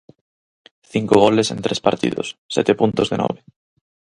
Cinco goles en tres partidos, sete puntos de nove.